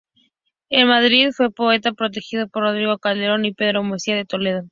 En Madrid fue poeta protegido por Rodrigo Calderón y Pedro Mesía de Toledo.